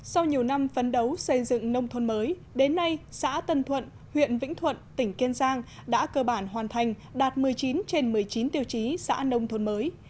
sau nhiều năm phấn đấu xây dựng nông thôn mới đến nay xã tân thuận huyện vĩnh thuận tỉnh kiên giang đã cơ bản hoàn thành đạt một mươi chín trên một mươi chín tiêu chí xã nông thôn mới